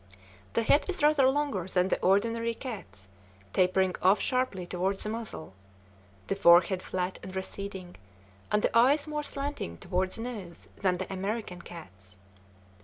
The head is rather longer than the ordinary cat's, tapering off sharply toward the muzzle, the forehead flat and receding, and the eyes more slanting toward the nose than the American cat's.